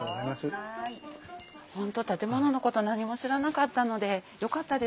本当建物のこと何も知らなかったのでよかったです。